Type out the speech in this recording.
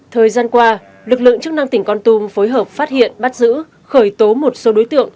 thời gian qua lực lượng chức năng tỉnh con tum phối hợp phát hiện bắt giữ khởi tố một số đối tượng